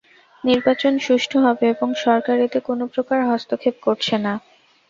নির্বাচন সুষ্ঠু হবে এবং সরকার এতে কোনো প্রকার হস্তক্ষেপ করছে না।